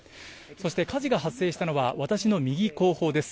そして火事が発生したのは、私の右後方です。